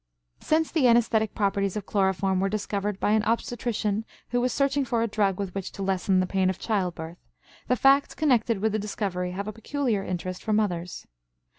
Since the anesthetic properties of chloroform were discovered by an obstetrician who was searching for a drug with which to lessen the pain of childbirth, the facts connected with the discovery have a peculiar interest for mothers.